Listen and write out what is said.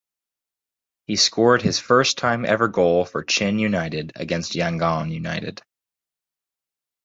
He scored his first time ever goal for Chin United against Yangon United.